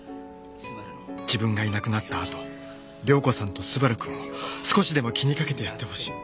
自分がいなくなったあと亮子さんと昴くんを少しでも気にかけてやってほしい。